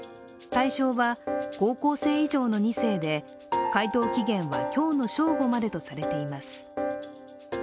対象は高校生以上の２世で回答期限は今日の正午までとされています。